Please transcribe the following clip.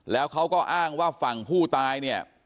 แล้วเขาก็อ้างว่าฝั่งผู้ตายเนี่ย